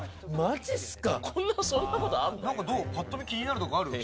ぱっと見、気になるところある？